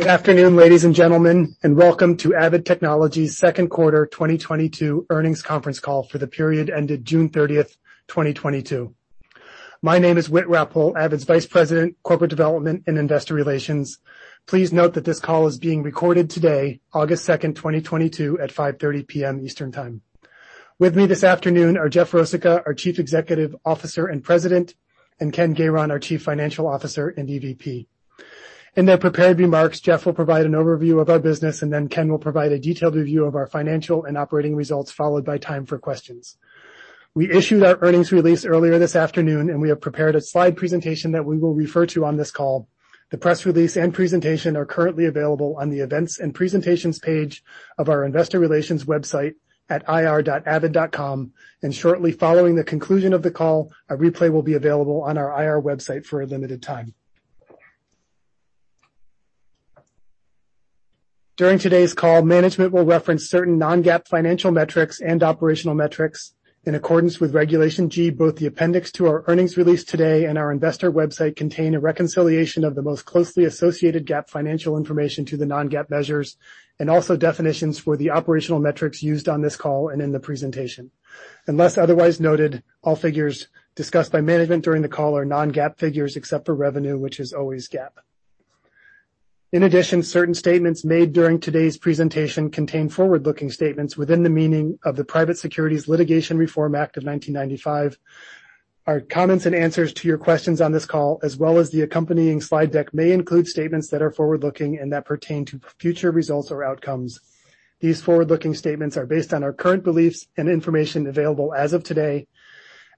Good afternoon, ladies and gentlemen, and welcome to Avid Technology's second quarter 2022 earnings conference call for the period ended June 30th, 2022. My name is Whit Rappole, Avid's Vice President, Corporate Development and Investor Relations. Please note that this call is being recorded today, August 2nd, 2022 at 5:30 P.M. Eastern Time. With me this afternoon are Jeff Rosica, our Chief Executive Officer and President, and Ken Gayron, our Chief Financial Officer and EVP. In their prepared remarks, Jeff will provide an overview of our business, and then Ken will provide a detailed review of our financial and operating results, followed by time for questions. We issued our earnings release earlier this afternoon, and we have prepared a slide presentation that we will refer to on this call. The press release and presentation are currently available on the events and presentations page of our investor relations website at ir.avid.com. Shortly following the conclusion of the call, a replay will be available on our IR website for a limited time. During today's call, management will reference certain non-GAAP financial metrics and operational metrics in accordance with Regulation G. Both the appendix to our earnings release today and our investor website contain a reconciliation of the most closely associated GAAP financial information to the non-GAAP measures, and also definitions for the operational metrics used on this call and in the presentation. Unless otherwise noted, all figures discussed by management during the call are non-GAAP figures, except for revenue, which is always GAAP. In addition, certain statements made during today's presentation contain forward-looking statements within the meaning of the Private Securities Litigation Reform Act of 1995. Our comments and answers to your questions on this call, as well as the accompanying slide deck, may include statements that are forward-looking and that pertain to future results or outcomes. These forward-looking statements are based on our current beliefs and information available as of today.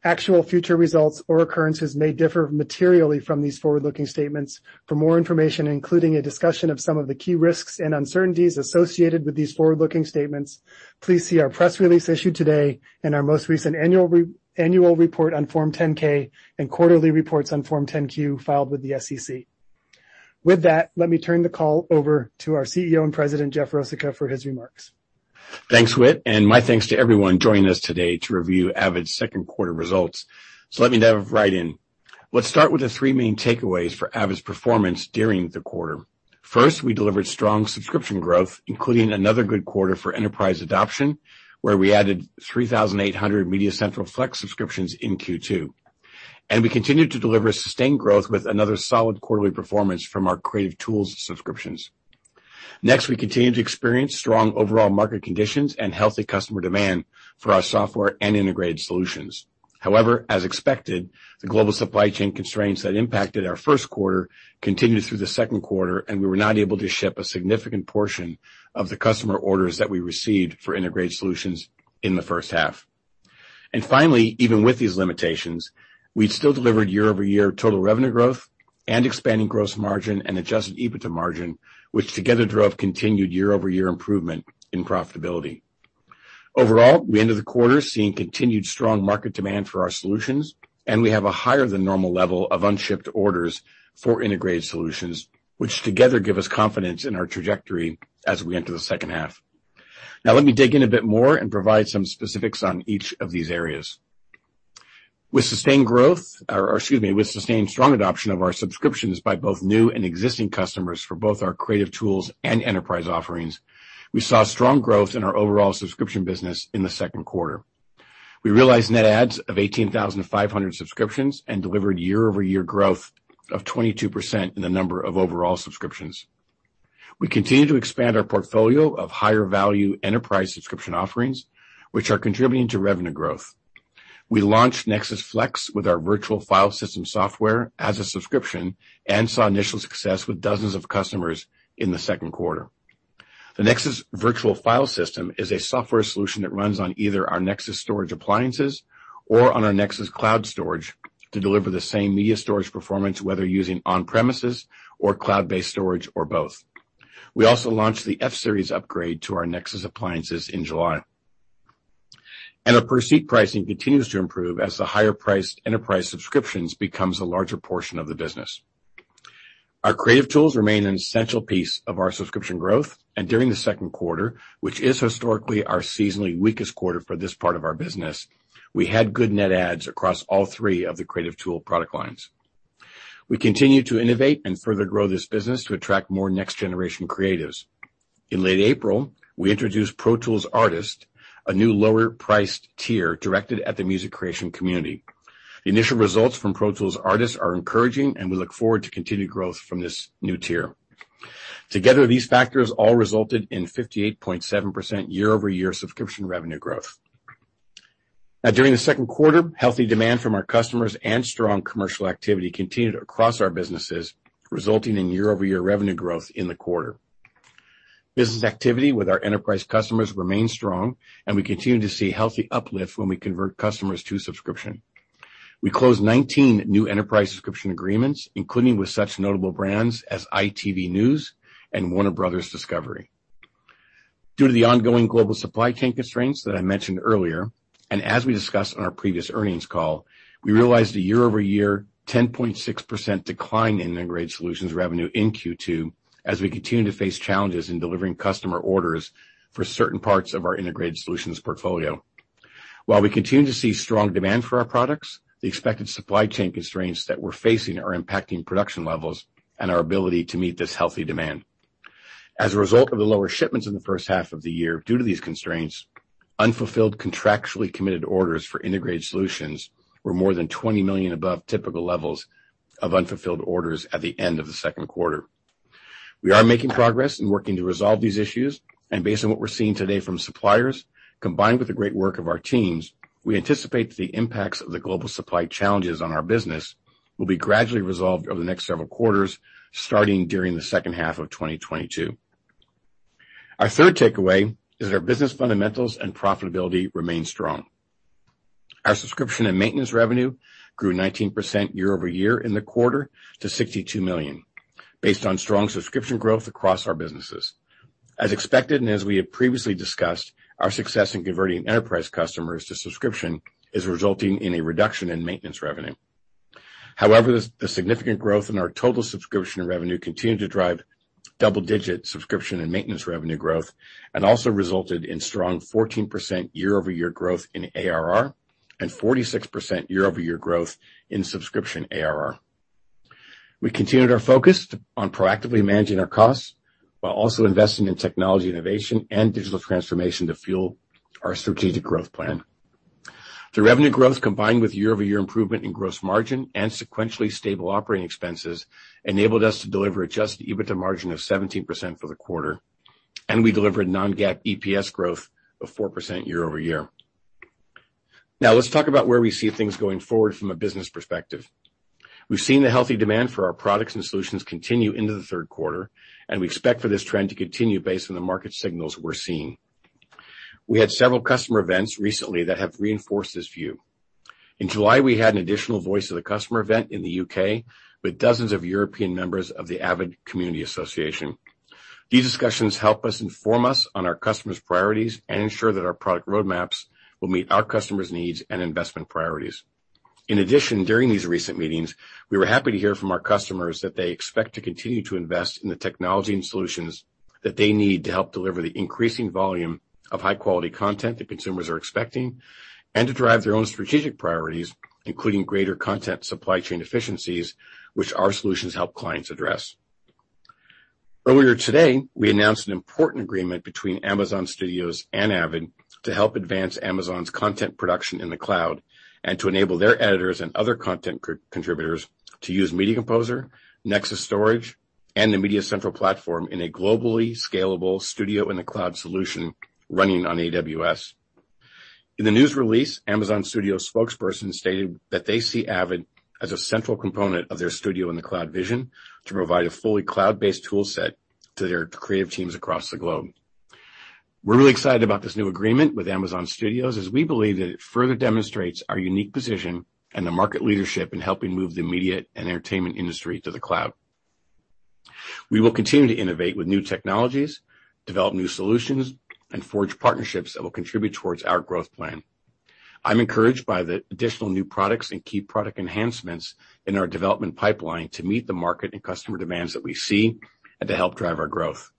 Actual future results or occurrences may differ materially from these forward-looking statements. For more information, including a discussion of some of the key risks and uncertainties associated with these forward-looking statements, please see our press release issued today and our most recent annual report on Form 10-K and quarterly reports on Form 10-Q filed with the SEC. With that, let me turn the call over to our CEO and President, Jeff Rosica, for his remarks. Thanks, Whit, and my thanks to everyone joining us today to review Avid's second quarter results. Let me dive right in. Let's start with the three main takeaways for Avid's performance during the quarter. First, we delivered strong subscription growth, including another good quarter for enterprise adoption, where we added 3,800 MediaCentral Flex subscriptions in Q2. We continued to deliver sustained growth with another solid quarterly performance from our Creative tools subscriptions. Next, we continue to experience strong overall market conditions and healthy customer demand for our software and Integrated Solutions. However, as expected, the global supply chain constraints that impacted our first quarter continued through the second quarter, and we were not able to ship a significant portion of the customer orders that we received for Integrated Solutions in the first half. Finally, even with these limitations, we still delivered year-over-year total revenue growth and expanding gross margin and adjusted EBITDA margin, which together drove continued year-over-year improvement in profitability. Overall, we ended the quarter seeing continued strong market demand for our solutions, and we have a higher than normal level of unshipped orders for Integrated Solutions, which together give us confidence in our trajectory as we enter the second half. Now, let me dig in a bit more and provide some specifics on each of these areas. With sustained strong adoption of our subscriptions by both new and existing customers for both our Creative tools and Enterprise offerings, we saw strong growth in our overall subscription business in the second quarter. We realized net adds of 18,500 subscriptions and delivered year-over-year growth of 22% in the number of overall subscriptions. We continue to expand our portfolio of higher value Enterprise subscription offerings, which are contributing to revenue growth. We launched NEXIS FLEX with our virtual file system software as a subscription and saw initial success with dozens of customers in the second quarter. The NEXIS virtual file system is a software solution that runs on either our NEXIS storage appliances or on our NEXIS cloud storage to deliver the same media storage performance, whether using on-premises or cloud-based storage or both. We also launched the F-series upgrade to our NEXIS appliances in July. Our per seat pricing continues to improve as the higher priced Enterprise subscriptions becomes a larger portion of the business. Our Creative tools remain an essential piece of our subscription growth, and during the second quarter, which is historically our seasonally weakest quarter for this part of our business, we had good net adds across all three of the Creative tool product lines. We continue to innovate and further grow this business to attract more next generation creatives. In late April, we introduced Pro Tools Artist, a new lower priced tier directed at the music creation community. The initial results from Pro Tools Artist are encouraging, and we look forward to continued growth from this new tier. Together, these factors all resulted in 58.7% year-over-year subscription revenue growth. Now, during the second quarter, healthy demand from our customers and strong commercial activity continued across our businesses, resulting in year-over-year revenue growth in the quarter. Business activity with our Enterprise customers remained strong, and we continue to see healthy uplift when we convert customers to subscription. We closed 19 new Enterprise subscription agreements, including with such notable brands as ITV News and Warner Bros. Discovery. Due to the ongoing global supply chain constraints that I mentioned earlier. As we discussed on our previous earnings call, we realized a year-over-year 10.6% decline in Integrated Solutions revenue in Q2 as we continue to face challenges in delivering customer orders for certain parts of our Integrated Solutions portfolio. While we continue to see strong demand for our products, the expected supply chain constraints that we're facing are impacting production levels and our ability to meet this healthy demand. As a result of the lower shipments in the first half of the year due to these constraints, unfulfilled contractually committed orders for Integrated Solutions were more than $20 million above typical levels of unfulfilled orders at the end of the second quarter. We are making progress in working to resolve these issues, and based on what we're seeing today from suppliers, combined with the great work of our teams, we anticipate the impacts of the global supply challenges on our business will be gradually resolved over the next several quarters, starting during the second half of 2022. Our third takeaway is that our business fundamentals and profitability remain strong. Our subscription and maintenance revenue grew 19% year-over-year in the quarter to $62 million, based on strong subscription growth across our businesses. As expected, and as we have previously discussed, our success in converting Enterprise customers to subscription is resulting in a reduction in maintenance revenue. However, the significant growth in our total subscription revenue continued to drive double-digit subscription and maintenance revenue growth, and also resulted in strong 14% year-over-year growth in ARR, and 46% year-over-year growth in subscription ARR. We continued our focus on proactively managing our costs while also investing in technology innovation and digital transformation to fuel our strategic growth plan. The revenue growth, combined with year-over-year improvement in gross margin and sequentially stable operating expenses, enabled us to deliver adjusted EBITDA margin of 17% for the quarter, and we delivered non-GAAP EPS growth of 4% year-over-year. Now let's talk about where we see things going forward from a business perspective. We've seen the healthy demand for our products and solutions continue into the third quarter, and we expect for this trend to continue based on the market signals we're seeing. We had several customer events recently that have reinforced this view. In July, we had an additional Voice of the Customer event in the U.K. with dozens of European members of the Avid Community Association. These discussions help inform us on our customers' priorities and ensure that our product roadmaps will meet our customers' needs and investment priorities. In addition, during these recent meetings, we were happy to hear from our customers that they expect to continue to invest in the technology and solutions that they need to help deliver the increasing volume of high-quality content that consumers are expecting and to drive their own strategic priorities, including greater content supply chain efficiencies, which our solutions help clients address. Earlier today, we announced an important agreement between Amazon Studios and Avid to help advance Amazon's content production in the cloud and to enable their editors and other content contributors to use Media Composer, NEXIS storage, and the MediaCentral platform in a globally scalable studio-in-the-cloud solution running on AWS. In the news release, Amazon Studios spokesperson stated that they see Avid as a central component of their studio-in-the-cloud vision to provide a fully cloud-based toolset to their creative teams across the globe. We're really excited about this new agreement with Amazon Studios, as we believe that it further demonstrates our unique position and the market leadership in helping move the media and entertainment industry to the cloud. We will continue to innovate with new technologies, develop new solutions, and forge partnerships that will contribute towards our growth plan. I'm encouraged by the additional new products and key product enhancements in our development pipeline to meet the market and customer demands that we see and to help drive our growth.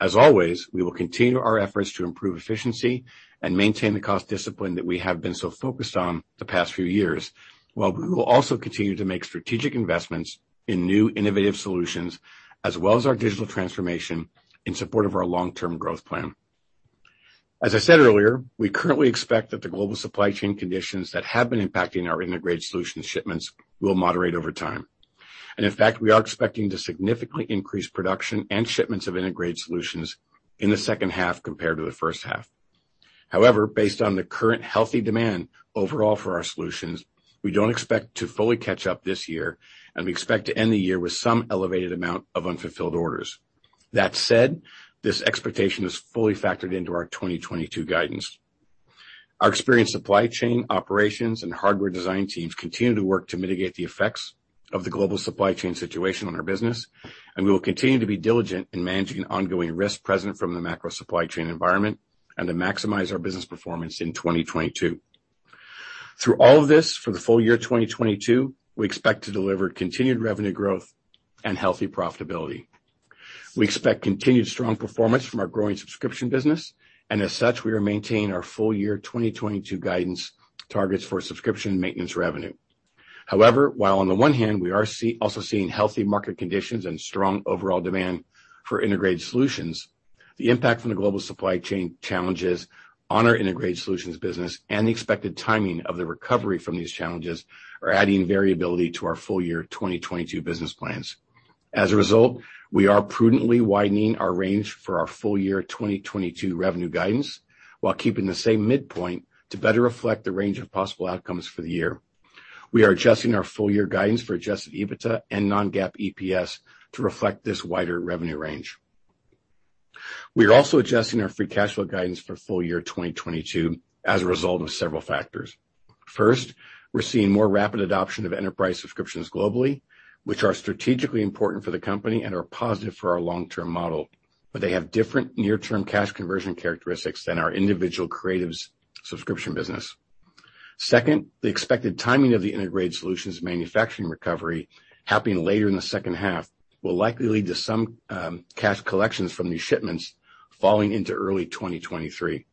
As always, we will continue our efforts to improve efficiency and maintain the cost discipline that we have been so focused on the past few years, while we will also continue to make strategic investments in new innovative solutions as well as our digital transformation in support of our long-term growth plan. As I said earlier, we currently expect that the global supply chain conditions that have been impacting our Integrated Solutions shipments will moderate over time. In fact, we are expecting to significantly increase production and shipments of Integrated Solutions in the second half compared to the first half. However, based on the current healthy demand overall for our solutions, we don't expect to fully catch up this year, and we expect to end the year with some elevated amount of unfulfilled orders. That said, this expectation is fully factored into our 2022 guidance. Our experienced supply chain operations and hardware design teams continue to work to mitigate the effects of the global supply chain situation on our business, and we will continue to be diligent in managing ongoing risk present from the macro supply chain environment and to maximize our business performance in 2022. Through all of this, for the full year 2022, we expect to deliver continued revenue growth and healthy profitability. We expect continued strong performance from our growing subscription business. As such, we are maintaining our full year 2022 guidance targets for subscription and maintenance revenue. However, while on the one hand, we are also seeing healthy market conditions and strong overall demand for Integrated Solutions, the impact from the global supply chain challenges on our Integrated Solutions business and the expected timing of the recovery from these challenges are adding variability to our full year 2022 business plans. As a result, we are prudently widening our range for our full year 2022 revenue guidance while keeping the same midpoint to better reflect the range of possible outcomes for the year. We are adjusting our full year guidance for adjusted EBITDA and non-GAAP EPS to reflect this wider revenue range. We are also adjusting our free cash flow guidance for full year 2022 as a result of several factors. First, we're seeing more rapid adoption of Enterprise subscriptions globally, which are strategically important for the company and are positive for our long-term model, but they have different near-term cash conversion characteristics than our individual Creative subscription business. Second, the expected timing of the Integrated Solutions manufacturing recovery happening later in the second half will likely lead to some cash collections from these shipments falling into early 2023.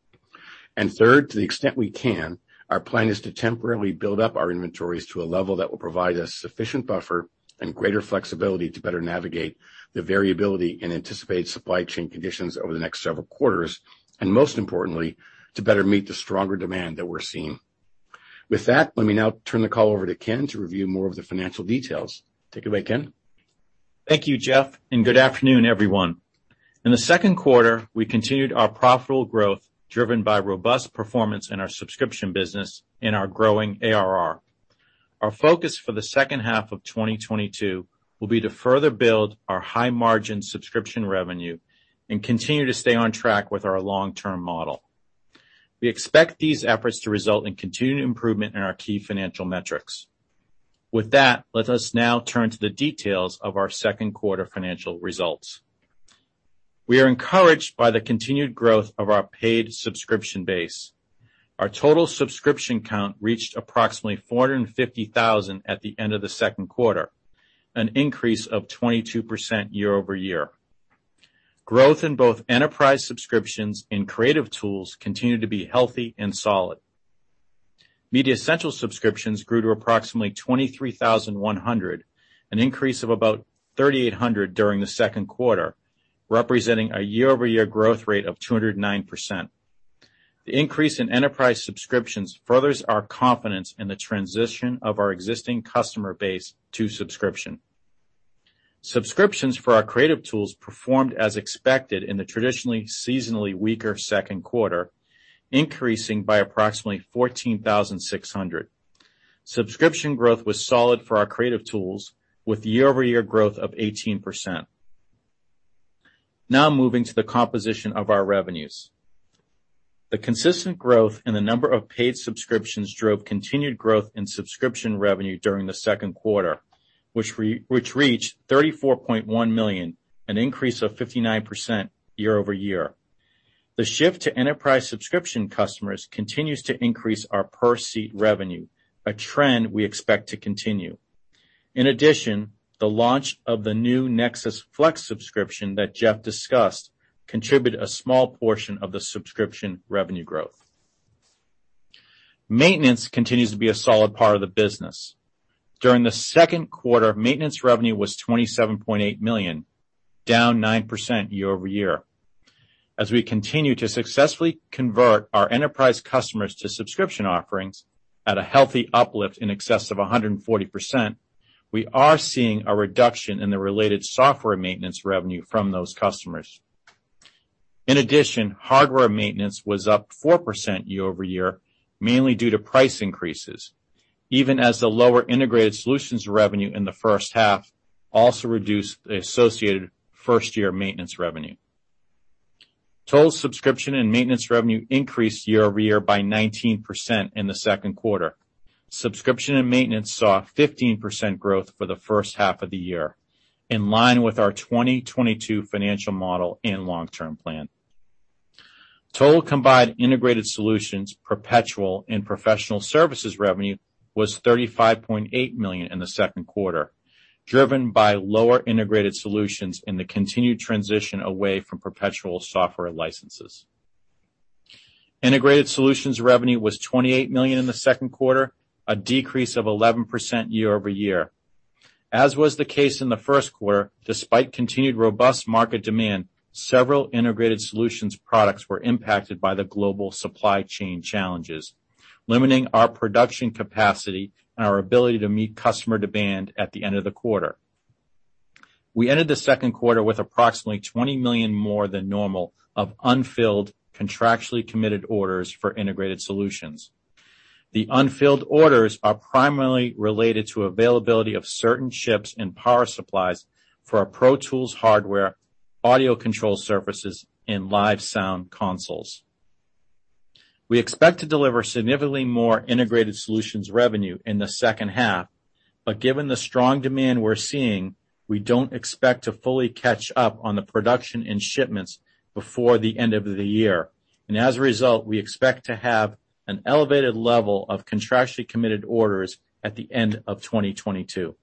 Third, to the extent we can, our plan is to temporarily build up our inventories to a level that will provide us sufficient buffer and greater flexibility to better navigate the variability in anticipated supply chain conditions over the next several quarters, and most importantly, to better meet the stronger demand that we're seeing. With that, let me now turn the call over to Ken to review more of the financial details. Take it away, Ken. Thank you, Jeff, and good afternoon, everyone. In the second quarter, we continued our profitable growth driven by robust performance in our subscription business in our growing ARR. Our focus for the second half of 2022 will be to further build our high-margin subscription revenue and continue to stay on track with our long-term model. We expect these efforts to result in continued improvement in our key financial metrics. With that, let us now turn to the details of our second quarter financial results. We are encouraged by the continued growth of our paid subscription base. Our total subscription count reached approximately 450,000 at the end of the second quarter, an increase of 22% year-over-year. Growth in both Enterprise subscriptions and Creative tools continued to be healthy and solid. MediaCentral subscriptions grew to approximately 23,100, an increase of about 3,800 during the second quarter, representing a year-over-year growth rate of 209%. The increase in Enterprise subscriptions furthers our confidence in the transition of our existing customer base to subscription. Subscriptions for our Creative tools performed as expected in the traditionally seasonally weaker second quarter, increasing by approximately 14,600. Subscription growth was solid for our Creative tools with year-over-year growth of 18%. Now moving to the composition of our revenues. The consistent growth in the number of paid subscriptions drove continued growth in subscription revenue during the second quarter, which reached $34.1 million, an increase of 59% year-over-year. The shift to Enterprise subscription customers continues to increase our per-seat revenue, a trend we expect to continue. In addition, the launch of the new NEXIS FLEX subscription that Jeff discussed contributed a small portion of the subscription revenue growth. Maintenance continues to be a solid part of the business. During the second quarter, maintenance revenue was $27.8 million, down 9% year-over-year. As we continue to successfully convert our Enterprise customers to subscription offerings at a healthy uplift in excess of 140%, we are seeing a reduction in the related software maintenance revenue from those customers. In addition, hardware maintenance was up 4% year-over-year, mainly due to price increases, even as the lower Integrated Solutions revenue in the first half also reduced the associated first-year maintenance revenue. Total subscription and maintenance revenue increased year-over-year by 19% in the second quarter. Subscription and maintenance saw 15% growth for the first half of the year, in line with our 2022 financial model and long-term plan. Total combined Integrated Solutions, perpetual and professional services revenue was $35.8 million in the second quarter, driven by lower Integrated Solutions and the continued transition away from perpetual software licenses. Integrated Solutions revenue was $28 million in the second quarter, a decrease of 11% year-over-year. As was the case in the first quarter, despite continued robust market demand, several Integrated Solutions products were impacted by the global supply chain challenges, limiting our production capacity and our ability to meet customer demand at the end of the quarter. We ended the second quarter with approximately $20 million more than normal of unfilled contractually committed orders for Integrated Solutions. The unfilled orders are primarily related to availability of certain chips and power supplies for our Pro Tools hardware, audio control surfaces, and live sound consoles. We expect to deliver significantly more Integrated Solutions revenue in the second half, but given the strong demand we're seeing, we don't expect to fully catch up on the production and shipments before the end of the year. As a result, we expect to have an elevated level of contractually committed orders at the end of 2022.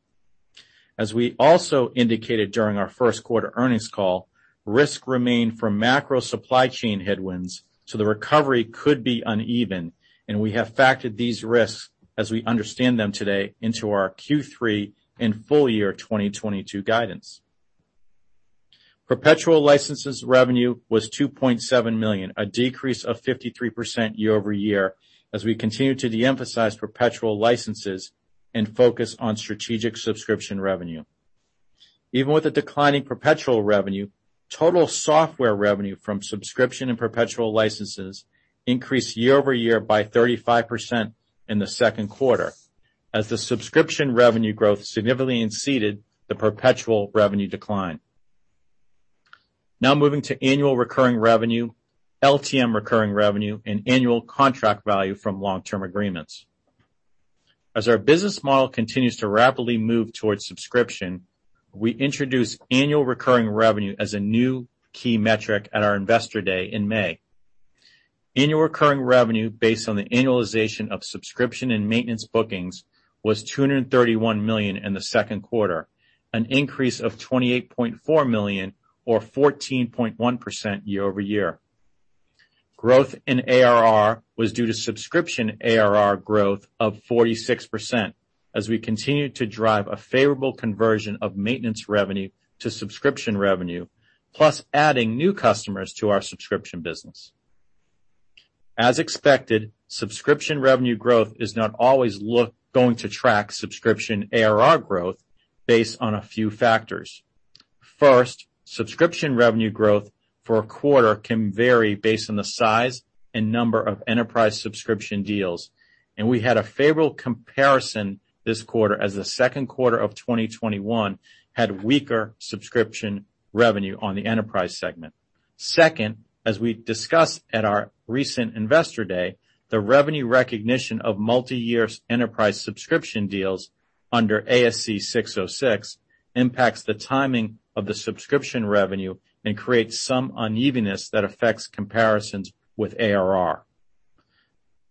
As we also indicated during our first quarter earnings call, risks remain for macro supply chain headwinds, so the recovery could be uneven, and we have factored these risks as we understand them today into our Q3 and full year 2022 guidance. Perpetual licenses revenue was $2.7 million, a decrease of 53% year-over-year as we continue to de-emphasize perpetual licenses and focus on strategic subscription revenue. Even with the declining perpetual revenue, total software revenue from subscription and perpetual licenses increased year-over-year by 35% in the second quarter, as the subscription revenue growth significantly exceeded the perpetual revenue decline. Now moving to annual recurring revenue, LTM recurring revenue, and annual contract value from long-term agreements. As our business model continues to rapidly move towards subscription, we introduce annual recurring revenue as a new key metric at our Investor Day in May. Annual recurring revenue based on the annualization of subscription and maintenance bookings was $231 million in the second quarter, an increase of $28.4 million or 14.1% year-over-year. Growth in ARR was due to subscription ARR growth of 46% as we continued to drive a favorable conversion of maintenance revenue to subscription revenue, plus adding new customers to our subscription business. As expected, subscription revenue growth is not always going to track subscription ARR growth based on a few factors. First, subscription revenue growth for a quarter can vary based on the size and number of Enterprise subscription deals, and we had a favorable comparison this quarter as the second quarter of 2021 had weaker subscription revenue on the Enterprise segment. Second, as we discussed at our recent Investor Day, the revenue recognition of multiyear Enterprise subscription deals under ASC 606 impacts the timing of the subscription revenue and creates some unevenness that affects comparisons with ARR.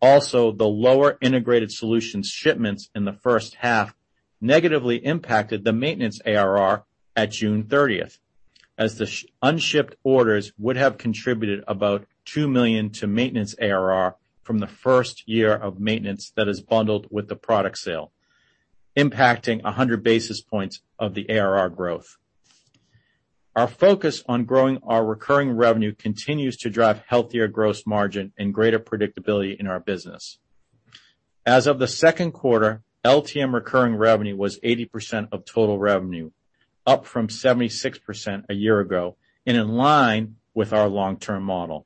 Also, the lower Integrated Solutions shipments in the first half negatively impacted the maintenance ARR at June 30th, as the unshipped orders would have contributed about $2 million to maintenance ARR from the first year of maintenance that is bundled with the product sale, impacting 100 basis points of the ARR growth. Our focus on growing our recurring revenue continues to drive healthier gross margin and greater predictability in our business. As of the second quarter, LTM recurring revenue was 80% of total revenue, up from 76% a year ago, and in line with our long-term model.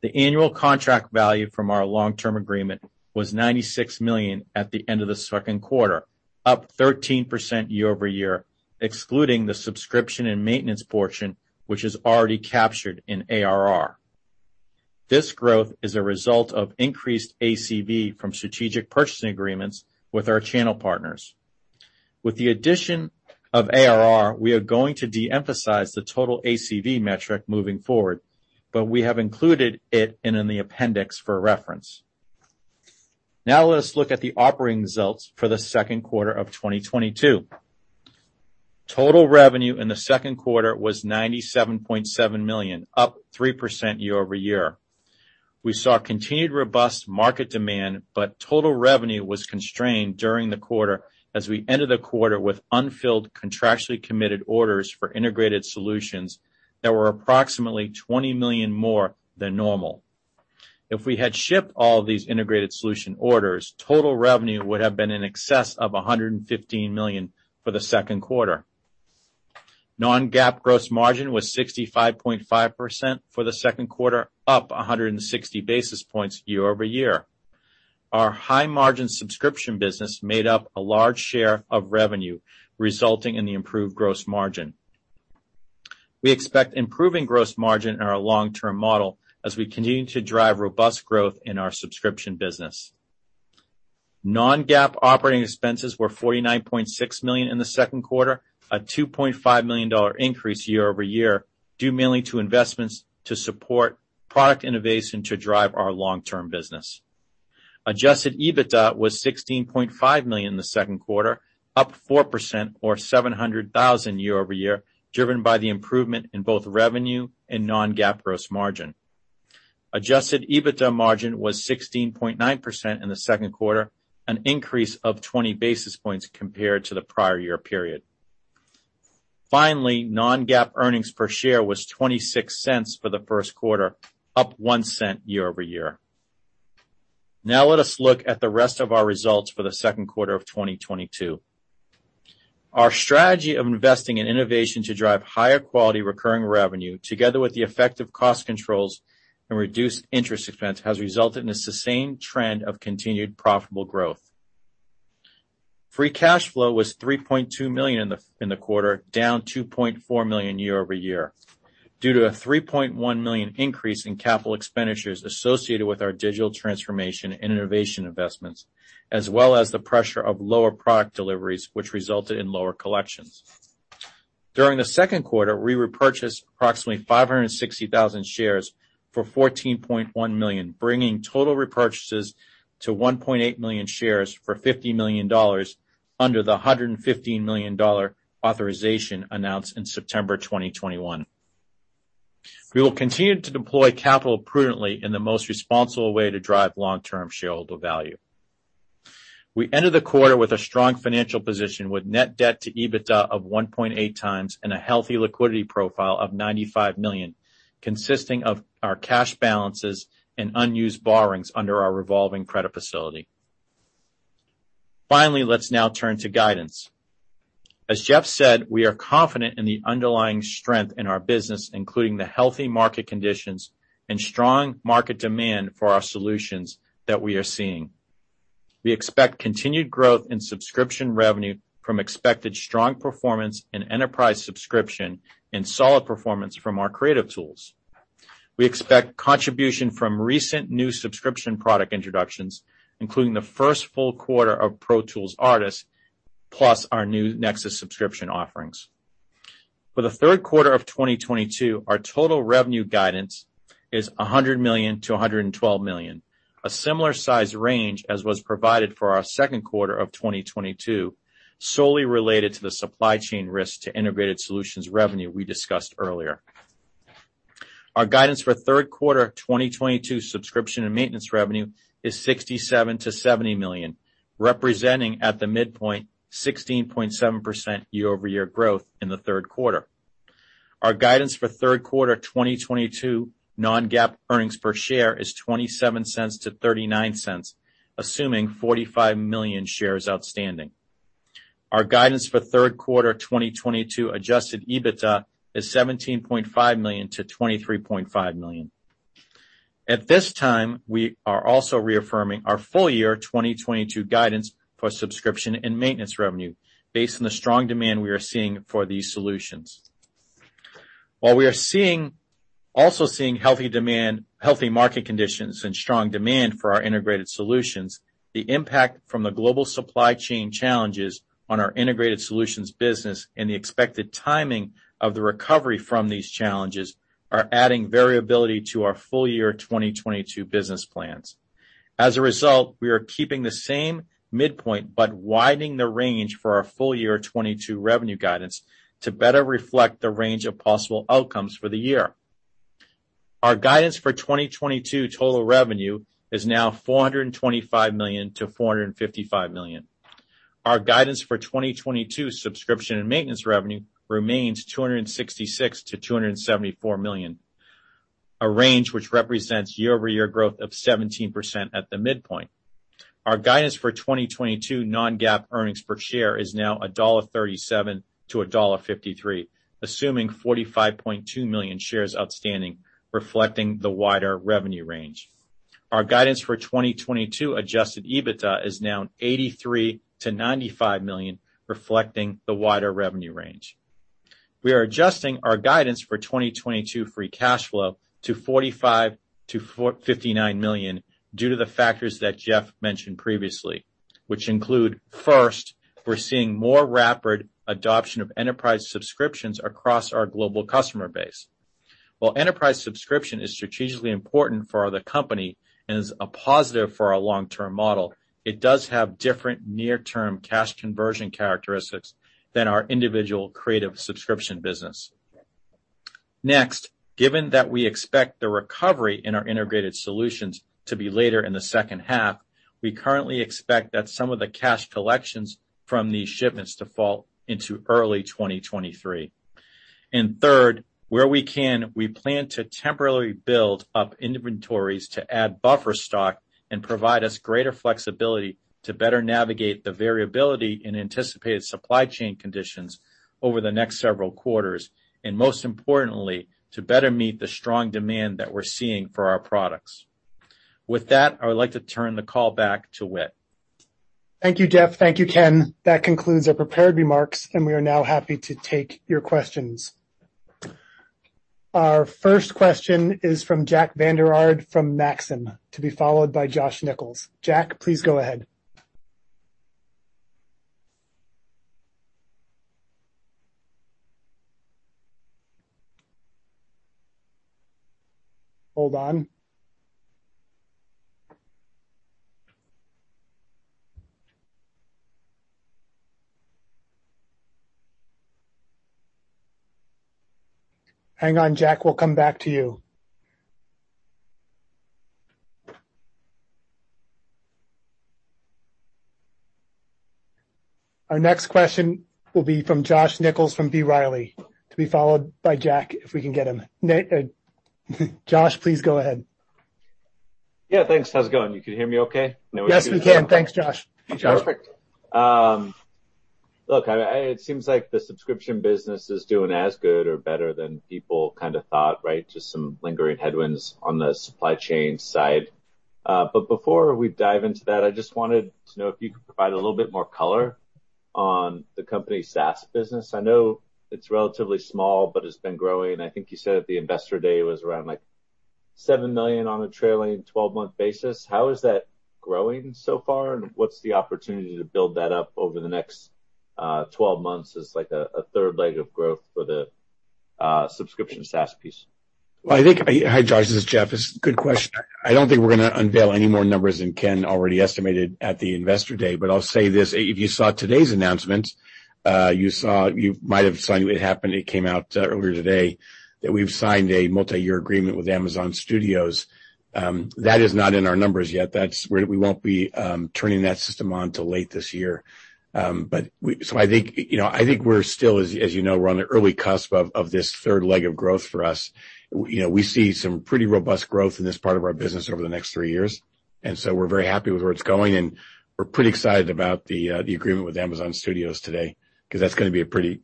The annual contract value from our long-term agreement was $96 million at the end of the second quarter, up 13% year-over-year, excluding the subscription and maintenance portion, which is already captured in ARR. This growth is a result of increased ACV from strategic purchasing agreements with our channel partners. With the addition of ARR, we are going to de-emphasize the total ACV metric moving forward, but we have included it in the appendix for reference. Now let us look at the operating results for the second quarter of 2022. Total revenue in the second quarter was $97.7 million, up 3% year-over-year. We saw continued robust market demand, but total revenue was constrained during the quarter as we ended the quarter with unfilled contractually committed orders for Integrated Solutions that were approximately $20 million more than normal. If we had shipped all these Integrated Solutions orders, total revenue would have been in excess of $115 million for the second quarter. Non-GAAP gross margin was 65.5% for the second quarter, up 160 basis points year-over-year. Our high-margin subscription business made up a large share of revenue, resulting in the improved gross margin. We expect improving gross margin in our long-term model as we continue to drive robust growth in our subscription business. Non-GAAP operating expenses were $49.6 million in the second quarter, a $2.5 million increase year-over-year, due mainly to investments to support product innovation to drive our long-term business. Adjusted EBITDA was $16.5 million in the second quarter, up 4% or $700,000 year-over-year, driven by the improvement in both revenue and non-GAAP gross margin. Adjusted EBITDA margin was 16.9% in the second quarter, an increase of 20 basis points compared to the prior year period. Finally, non-GAAP earnings per share was $0.26 for the first quarter, up $0.01 year-over-year. Now let us look at the rest of our results for the second quarter of 2022. Our strategy of investing in innovation to drive higher quality recurring revenue, together with the effective cost controls and reduced interest expense, has resulted in a sustained trend of continued profitable growth. Free cash flow was $3.2 million in the quarter, down $2.4 million year-over-year, due to a $3.1 million increase in capital expenditures associated with our digital transformation and innovation investments, as well as the pressure of lower product deliveries, which resulted in lower collections. During the second quarter, we repurchased approximately 560,000 shares for $14.1 million, bringing total repurchases to 1.8 million shares for $50 million under the $115 million authorization announced in September 2021. We will continue to deploy capital prudently in the most responsible way to drive long-term shareholder value. We ended the quarter with a strong financial position with net debt to EBITDA of 1.8x and a healthy liquidity profile of $95 million, consisting of our cash balances and unused borrowings under our revolving credit facility. Finally, let's now turn to guidance. As Jeff said, we are confident in the underlying strength in our business, including the healthy market conditions and strong market demand for our solutions that we are seeing. We expect continued growth in subscription revenue from expected strong performance in Enterprise subscription and solid performance from our Creative tools. We expect contribution from recent new subscription product introductions, including the first full quarter of Pro Tools Artist, plus our new NEXIS subscription offerings. For the third quarter of 2022, our total revenue guidance is $100 million-$112 million, a similar size range as was provided for our second quarter of 2022, solely related to the supply chain risk to Integrated Solutions revenue we discussed earlier. Our guidance for third quarter of 2022 subscription and maintenance revenue is $67 million-$70 million, representing at the midpoint 16.7% year-over-year growth in the third quarter. Our guidance for third quarter of 2022 non-GAAP earnings per share is $0.27-$0.39, assuming 45 million shares outstanding. Our guidance for third quarter of 2022 adjusted EBITDA is $17.5 million-$23.5 million. At this time, we are also reaffirming our full-year 2022 guidance for subscription and maintenance revenue based on the strong demand we are seeing for these solutions. While we are seeing healthy market conditions and strong demand for our Integrated Solutions, the impact from the global supply chain challenges on our Integrated Solutions business and the expected timing of the recovery from these challenges are adding variability to our full year 2022 business plans. As a result, we are keeping the same midpoint but widening the range for our full year 2022 revenue guidance to better reflect the range of possible outcomes for the year. Our guidance for 2022 total revenue is now $425 million-$455 million. Our guidance for 2022 subscription and maintenance revenue remains $266 million-$274 million, a range which represents year-over-year growth of 17% at the midpoint. Our guidance for 2022 non-GAAP earnings per share is now $1.37-$1.53, assuming 45.2 million shares outstanding, reflecting the wider revenue range. Our guidance for 2022 adjusted EBITDA is now $83 million-$95 million, reflecting the wider revenue range. We are adjusting our guidance for 2022 free cash flow to $45 million-$59 million due to the factors that Jeff mentioned previously, which include, first, we're seeing more rapid adoption of Enterprise subscriptions across our global customer base. While Enterprise subscription is strategically important for the company and is a positive for our long-term model, it does have different near-term cash conversion characteristics than our individual Creative subscription business. Next, given that we expect the recovery in our Integrated Solutions to be later in the second half, we currently expect that some of the cash collections from these shipments to fall into early 2023. Third, where we can, we plan to temporarily build up inventories to add buffer stock and provide us greater flexibility to better navigate the variability in anticipated supply chain conditions over the next several quarters, and most importantly, to better meet the strong demand that we're seeing for our products. With that, I would like to turn the call back to Whit. Thank you, Jeff. Thank you Ken. That concludes our prepared remarks, and we are now happy to take your questions. Our first question is from Jack Vander Aarde from Maxim, to be followed by Josh Nichols. Jack, please go ahead. Hold on. Hang on, Jack. We'll come back to you. Our next question will be from Josh Nichols from B. Riley, to be followed by Jack, if we can get him. Josh, please go ahead. Yeah, thanks. How's it going? You can hear me okay? Yes, we can. Thanks, Josh. Sure. Look, it seems like the subscription business is doing as good or better than people kinda thought, right? Just some lingering headwinds on the supply chain side. Before we dive into that, I just wanted to know if you could provide a little bit more color on the company's SaaS business. I know it's relatively small, but it's been growing. I think you said at the Investor Day it was around like $7 million on a trailing twelve-month basis. How is that growing so far, and what's the opportunity to build that up over the next 12 months as, like, a third leg of growth for the subscription SaaS piece? Hi, Josh. This is Jeff. It's a good question. I don't think we're gonna unveil any more numbers than Ken already estimated at the Investor Day, but I'll say this. If you saw today's announcement, you might have seen it happen. It came out earlier today that we've signed a multi-year agreement with Amazon Studios. That is not in our numbers yet. That's where we won't be turning that system on till late this year. I think, you know, I think we're still, as you know, we're on the early cusp of this third leg of growth for us. You know, we see some pretty robust growth in this part of our business over the next three years, and so we're very happy with where it's going, and we're pretty excited about the agreement with Amazon Studios today, 'cause that's gonna be a pretty.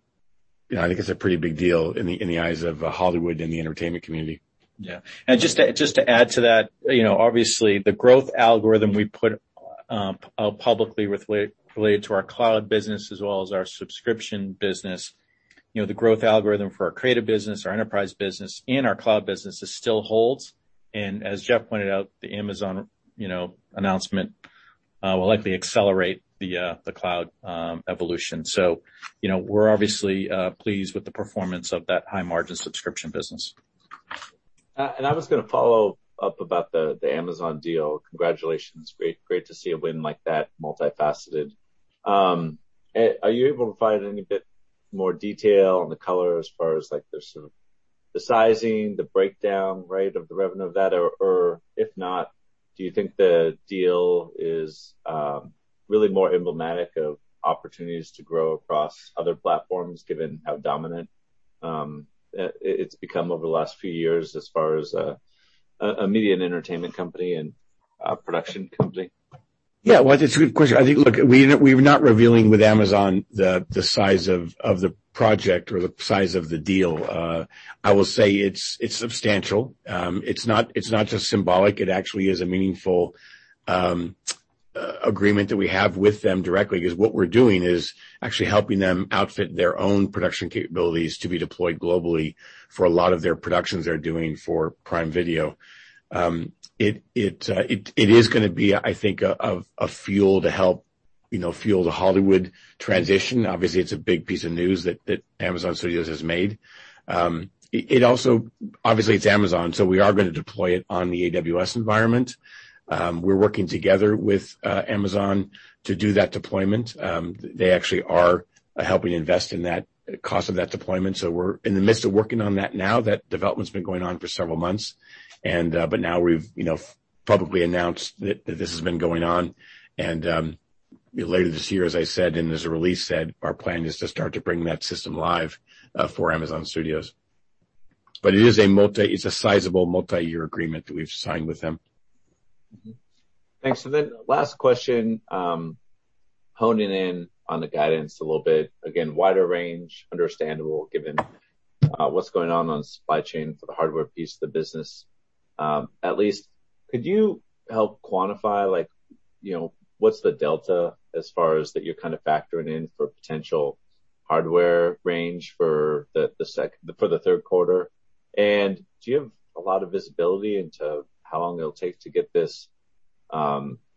I think it's a pretty big deal in the eyes of Hollywood and the entertainment community. Yeah. Just to add to that, you know, obviously the growth algorithm we put publicly related to our Cloud business as well as our subscription business, you know, the growth algorithm for our Creative business, our Enterprise business, and our Cloud business, it still holds. As Jeff pointed out, the Amazon announcement will likely accelerate the cloud evolution. You know, we're obviously pleased with the performance of that high-margin subscription business. I was gonna follow up about the Amazon deal. Congratulations. Great to see a win like that, multifaceted. Are you able to provide any bit more detail on the color as far as, like, the sort of the sizing, the breakdown, right, of the revenue of that? Or if not, do you think the deal is really more emblematic of opportunities to grow across other platforms given how dominant it's become over the last few years as far as a media and entertainment company and a production company? Yeah. Well, it's a good question. I think, look, we're not revealing with Amazon the size of the project or the size of the deal. I will say it's substantial. It's not just symbolic. It actually is a meaningful agreement that we have with them directly, 'cause what we're doing is actually helping them outfit their own production capabilities to be deployed globally for a lot of their productions they're doing for Prime Video. It is gonna be, I think a fuel to help, you know, fuel the Hollywood transition. Obviously, it's a big piece of news that Amazon Studios has made. It also, obviously it's Amazon, so we are gonna deploy it on the AWS environment. We're working together with Amazon to do that deployment. They actually are helping invest in that cost of that deployment, so we're in the midst of working on that now. That development's been going on for several months. Now we've, you know, publicly announced that this has been going on. Later this year, as I said, and as the release said, our plan is to start to bring that system live for Amazon Studios. It is a sizable multiyear agreement that we've signed with them. Mm-hmm. Thanks. Last question, honing in on the guidance a little bit. Again, wider range, understandable given what's going on on supply chain for the hardware piece of the business. At least could you help quantify, like, you know, what's the delta as far as that you're kind of factoring in for potential hardware range for the third quarter? And do you have a lot of visibility into how long it'll take to get this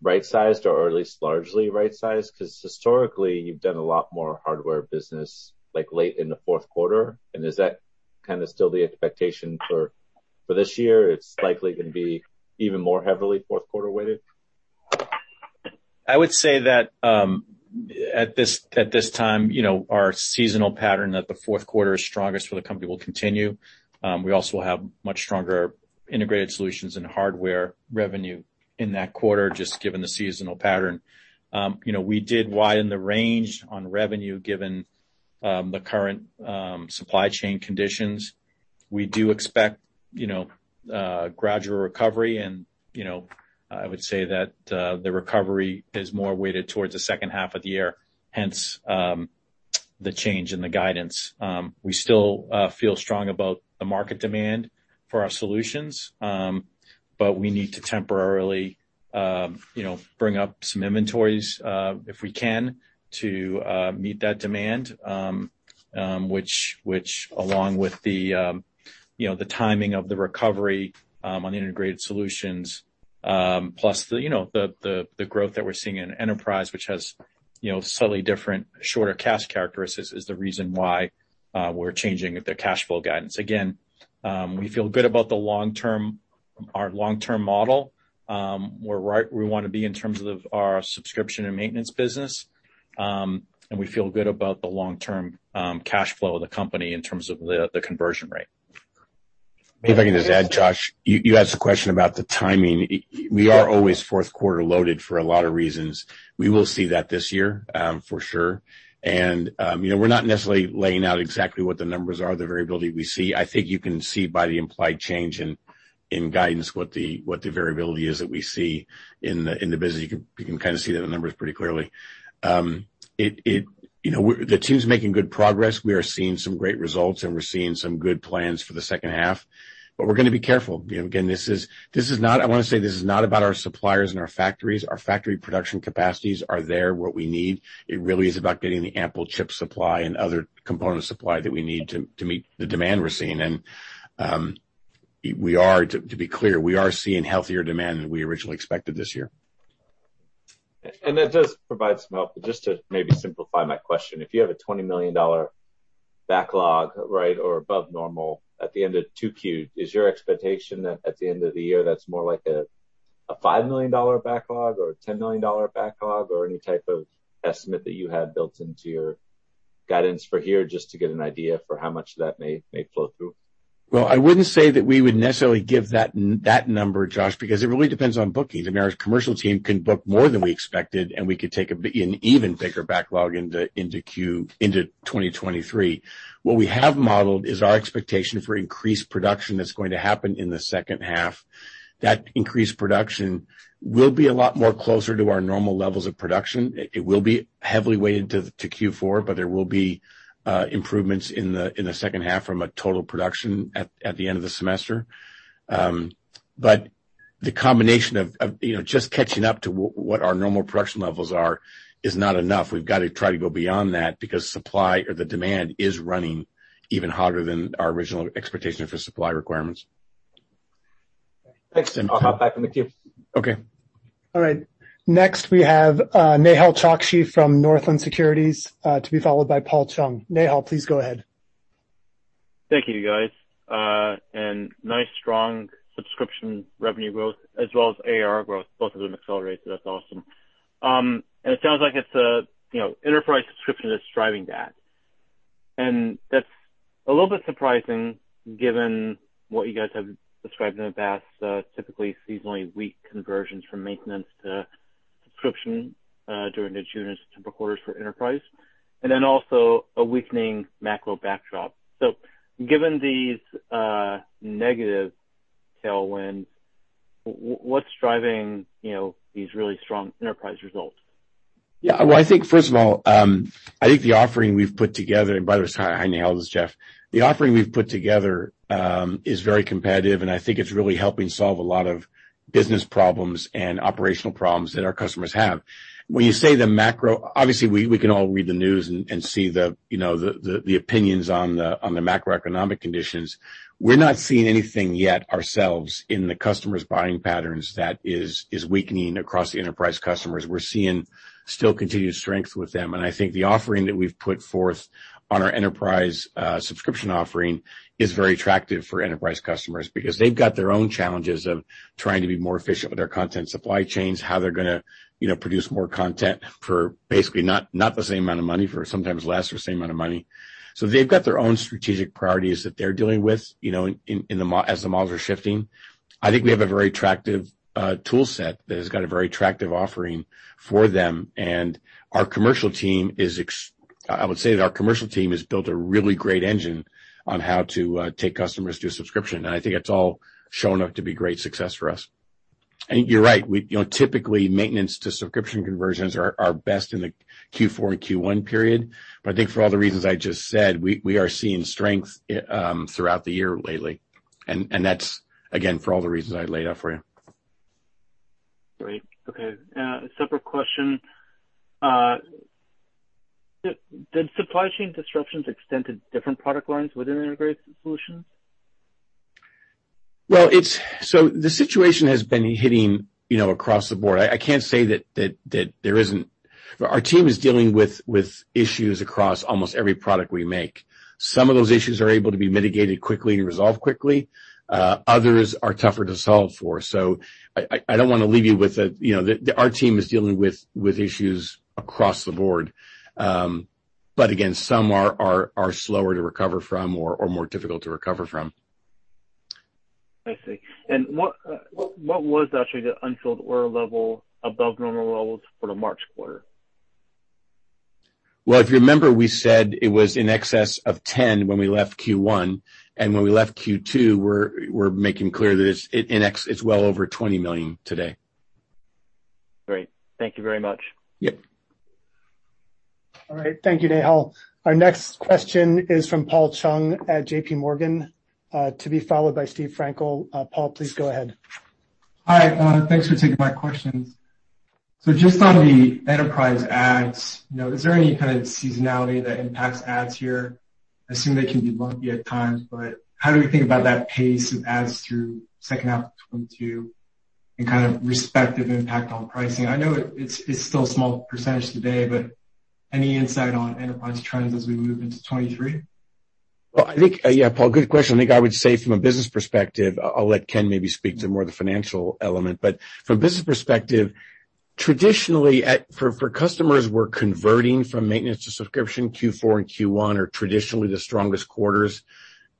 right-sized or at least largely right-sized? 'Cause historically, you've done a lot more hardware business, like, late in the fourth quarter. And is that kind of still the expectation for this year, it's likely gonna be even more heavily fourth quarter-weighted? I would say that at this time, you know, our seasonal pattern that the fourth quarter is strongest for the company will continue. We also will have much stronger Integrated Solutions and hardware revenue in that quarter just given the seasonal pattern. You know, we did widen the range on revenue given the current supply chain conditions. We do expect, you know, gradual recovery and, you know, I would say that the recovery is more weighted towards the second half of the year, hence the change in the guidance. We still feel strong about the market demand for our solutions, but we need to temporarily, you know, bring up some inventories, if we can, to meet that demand, which along with the, you know, the timing of the recovery on Integrated Solutions, plus the, you know, the growth that we're seeing in Enterprise, which has, you know, slightly different shorter cash characteristics is the reason why we're changing the cash flow guidance. Again, we feel good about the long-term, our long-term model. We're right where we wanna be in terms of our subscription and maintenance business. We feel good about the long-term cash flow of the company in terms of the conversion rate. If I can just add, Josh, you asked a question about the timing. We are always fourth quarter loaded for a lot of reasons. We will see that this year, for sure. You know, we're not necessarily laying out exactly what the numbers are, the variability we see. I think you can see by the implied change in guidance what the variability is that we see in the business. You can kind of see that in the numbers pretty clearly. You know, the team's making good progress. We are seeing some great results, and we're seeing some good plans for the second half, but we're gonna be careful. You know, again, this is not. I wanna say this is not about our suppliers and our factories. Our factory production capacities are there, what we need. It really is about getting the ample chip supply and other component supply that we need to meet the demand we're seeing. To be clear, we are seeing healthier demand than we originally expected this year. That does provide some help. Just to maybe simplify my question, if you have a $20 million backlog, right, or above normal at the end of 2Q, is your expectation that at the end of the year, that's more like a $5 million backlog or a $10 million backlog or any type of estimate that you had built into your guidance for here, just to get an idea for how much that may flow through? Well, I wouldn't say that we would necessarily give that number, Josh, because it really depends on bookings. I mean, our commercial team can book more than we expected, and we could take an even bigger backlog into 2023. What we have modeled is our expectation for increased production that's going to happen in the second half. That increased production will be a lot more closer to our normal levels of production. It will be heavily weighted to Q4, but there will be improvements in the second half from a total production at the end of the semester. The combination of you know, just catching up to what our normal production levels are is not enough. We've got to try to go beyond that because supply and demand is running even hotter than our original expectation for supply requirements. Thanks. I'll hop back in the queue. Okay. All right. Next we have Nehal Chokshi from Northland Securities, to be followed by Paul Chung. Nehal, please go ahead. Thank you, guys. Nice strong subscription revenue growth as well as AR growth. Both of them accelerated, that's awesome. It sounds like it's, you know, Enterprise subscription that's driving that. That's a little bit surprising given what you guys have described in the past, typically seasonally weak conversions from maintenance to subscription, during the June and September quarters for Enterprise, and then also a weakening macro backdrop. Given these negative tailwinds, what's driving these really strong Enterprise results? Yeah. Well, I think first of all, and by the way, hi Nehal, this is Jeff. The offering we've put together is very competitive, and I think it's really helping solve a lot of business problems and operational problems that our customers have. When you say the macro, obviously we can all read the news and see you know, the opinions on the macroeconomic conditions. We're not seeing anything yet ourselves in the customer's buying patterns that is weakening across the Enterprise customers. We're seeing still continued strength with them. I think the offering that we've put forth on our Enterprise subscription offering is very attractive for Enterprise customers because they've got their own challenges of trying to be more efficient with their content supply chains, how they're gonna, you know, produce more content for basically not the same amount of money for sometimes less or same amount of money. They've got their own strategic priorities that they're dealing with, you know, as the models are shifting. I think we have a very attractive tool set that has got a very attractive offering for them, and our commercial team I would say has built a really great engine on how to take customers to a subscription, and I think it's all shown up to be great success for us. I think you're right. You know, typically maintenance to subscription conversions are best in the Q4 and Q1 period. But I think for all the reasons I just said, we are seeing strength throughout the year lately. That's again, for all the reasons I laid out for you. Great. Okay. Separate question. Did supply chain disruptions extend to different product lines within Integrated Solutions? The situation has been hitting, you know, across the board. I can't say that there isn't. Our team is dealing with issues across almost every product we make. Some of those issues are able to be mitigated quickly and resolved quickly. Others are tougher to solve for. I don't wanna leave you with a, you know. Our team is dealing with issues across the board. Again, some are slower to recover from or more difficult to recover from. I see. What was actually the unfilled order level above normal levels for the March quarter? Well, if you remember, we said it was in excess of $10 million when we left Q1, and when we left Q2, we're making clear that it's well over $20 million today. Great. Thank you very much. Yep. All right. Thank you, Nehal. Our next question is from Paul Chung at JPMorgan, to be followed by Steve Frankel. Paul, please go ahead. Hi, thanks for taking my questions. Just on the Enterprise ads, you know, is there any kind of seasonality that impacts ads here? I assume they can be lumpy at times, but how do we think about that pace of ads through second half of 2022 and kind of respective impact on pricing? I know it's still a small percentage today, but any insight on Enterprise trends as we move into 2023? Well, I think, yeah, Paul, good question. I think I would say from a business perspective, I'll let Ken maybe speak to more the financial element. From a business perspective, traditionally for customers who are converting from maintenance to subscription, Q4 and Q1 are traditionally the strongest quarters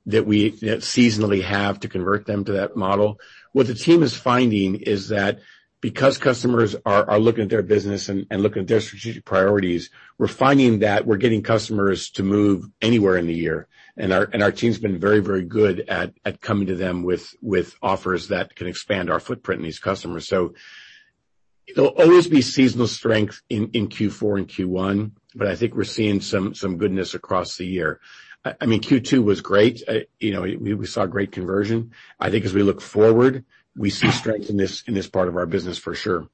that seasonally have to convert them to that model. What the team is finding is that because customers are looking at their business and looking at their strategic priorities, we're finding that we're getting customers to move anywhere in the year. Our team's been very good at coming to them with offers that can expand our footprint in these customers. It'll always be seasonal strength in Q4 and Q1, but I think we're seeing some goodness across the year. I mean, Q2 was great. You know, we saw great conversion. I think as we look forward, we see strength in this part of our business for sure.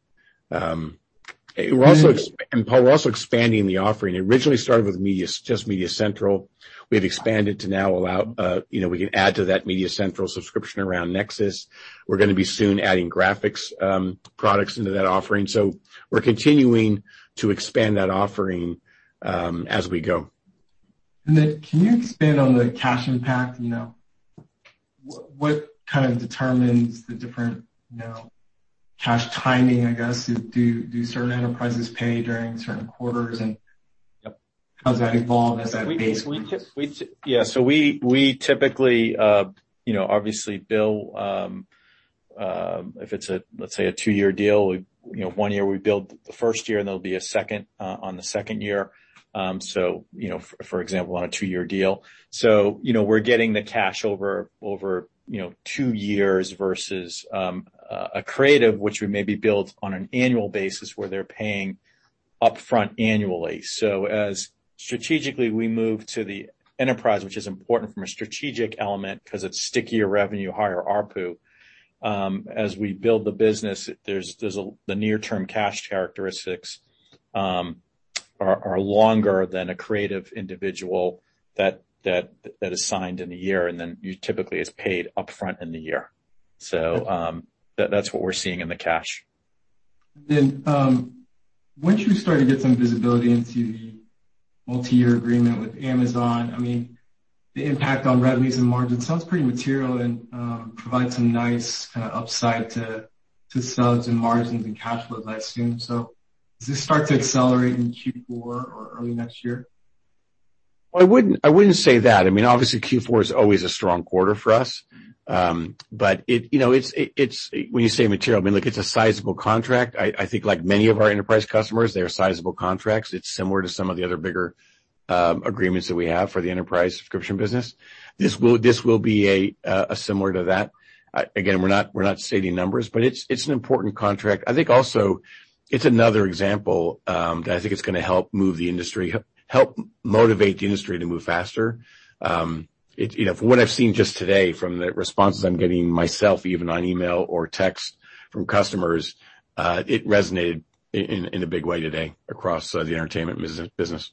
Paul, we're also expanding the offering. It originally started with MediaCentral. We've expanded to now allow, you know, we can add to that MediaCentral subscription around NEXIS. We're gonna be soon adding graphics products into that offering. We're continuing to expand that offering as we go. Then can you expand on the cash impact? You know, what kind of determines the different, you know, cash timing, I guess? Do certain enterprises pay during certain quarters, and how does that evolve as that base- We typically, you know, obviously bill if it's, let's say, a two-year deal. We, you know, one year we bill the first year, and there'll be a second on the second year. For example, on a two-year deal. We're getting the cash over, you know, two years versus a Creative which we maybe bill on an annual basis where they're paying upfront annually. As strategically we move to the Enterprise, which is important from a strategic element because it's stickier revenue, higher ARPU, as we build the business, there's the near-term cash characteristics are longer than a Creative individual that is signed in a year, and then you typically is paid upfront in the year. That's what we're seeing in the cash. Once you start to get some visibility into the multi-year agreement with Amazon, I mean, the impact on revenues and margins sounds pretty material and provides some nice kinda upside to subs and margins and cash flow, I assume. Does this start to accelerate in Q4 or early next year? I wouldn't say that. I mean, obviously Q4 is always a strong quarter for us. But when you say material, I mean, look, it's a sizable contract. I think like many of our Enterprise customers, they are sizable contracts. It's similar to some of the other bigger agreements that we have for the Enterprise subscription business. This will be a similar to that. Again, we're not stating numbers, but it's an important contract. I think also it's another example that I think it's gonna help move the industry, help motivate the industry to move faster. You know, from what I've seen just today from the responses I'm getting myself even on email or text from customers, it resonated in a big way today across the entertainment business.